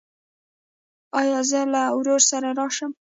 ایا زه له ورور سره راشم؟